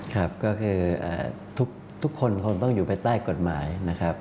ครับก็คือทุกคนคงต้องอยู่ภายใต้กฎหมายนะครับ